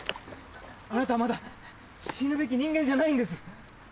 あなたまだ死ぬべき人間じゃないんです。